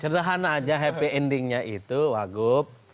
sederhana aja happy endingnya itu wagub